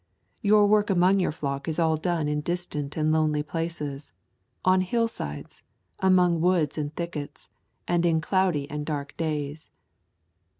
Your work among your flock is all done in distant and lonely places, on hillsides, among woods and thickets, and in cloudy and dark days.